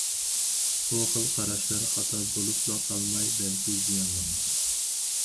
بۇ خىل قاراشلار خاتا بولۇپلا قالماي، بەلكى زىيانلىق.